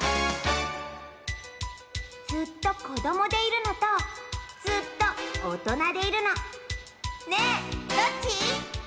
ずっとこどもでいるのとずっとおとなでいるのねえどっち？